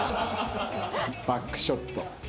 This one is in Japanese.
バックショット。